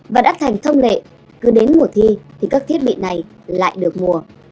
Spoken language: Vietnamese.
và đắt thành thông lệ cứ đến mùa thi thì các thiết bị này lại được mua